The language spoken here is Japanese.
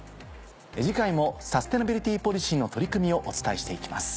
次回もサステナビリティポリシーの取り組みをお伝えして行きます。